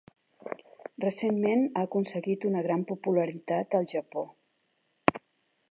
Recentment ha aconseguit una gran popularitat al Japó.